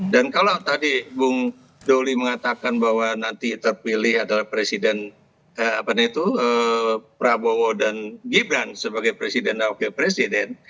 kalau tadi bung doli mengatakan bahwa nanti terpilih adalah presiden prabowo dan gibran sebagai presiden dan wakil presiden